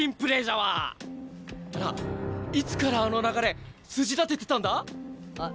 なあいつからあの流れ筋立ててたんだ？